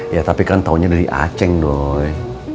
ya tapi kan taunya dari aceh dong